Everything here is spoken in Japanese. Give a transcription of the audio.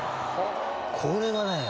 これがね